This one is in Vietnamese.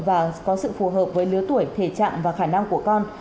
và có sự phù hợp với lứa tuổi thể trạng và khả năng của con